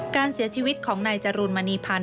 การเสียชีวิตของนายจรูนมณีพันธ